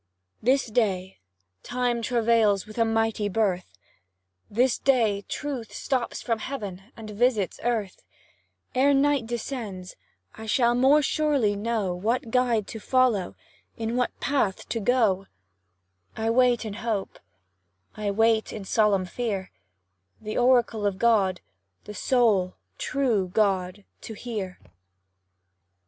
This day, Time travails with a mighty birth; This day, Truth stoops from heaven and visits earth; Ere night descends I shall more surely know What guide to follow, in what path to go; I wait in hope I wait in solemn fear, The oracle of God the sole true God to hear.